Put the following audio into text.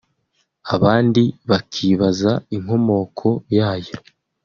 abandi bakibaza inkomoko yayo